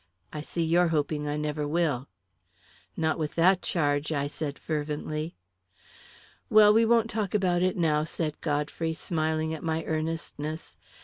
I see you're hoping I never will." "Not with that charge!" I said fervently. "Well, we won't talk about it now," said Godfrey, smiling at my earnestness.